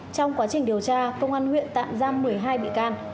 trong quá trình điều tra công an huyện tạm giam một mươi hai bị can